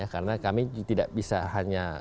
karena kami tidak bisa hanya